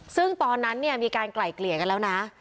ซึ่งตอนนั้นเนี่ยมีการไกล่เกลี่ยกันแล้วนะ